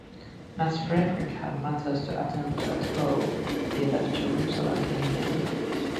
As Frederick had matters to attend to at home, he left Jerusalem in May.